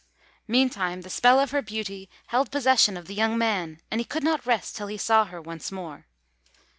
Meantime, the spell of her beauty held possession of the young man, and he could not rest till he saw her once more.